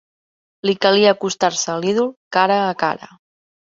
Li calia acostar-se a l'ídol, cara a cara